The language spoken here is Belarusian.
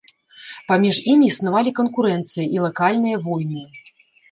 Паміж імі існавалі канкурэнцыя і лакальныя войны.